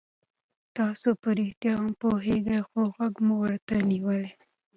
تاسو په رښتیا هم پوهېږئ خو غوږ مو ورته نیولی.